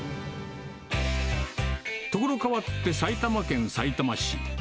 所変わって埼玉県さいたま市。